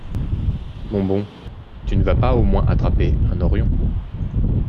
Mon bon, tu ne vas pas au moins attraper un horion !